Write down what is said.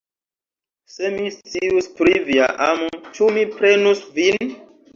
Se mi scius pri via amo, ĉu mi prenus vin!